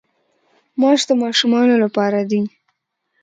ماش د ماشومانو لپاره دي.